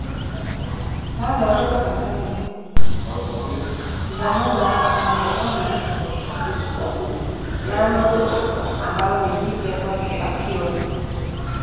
Zanura anapoona jambo ambalo ni jipya kwake akiwa